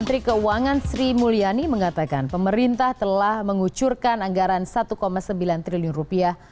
menteri keuangan sri mulyani mengatakan pemerintah telah mengucurkan anggaran satu sembilan triliun rupiah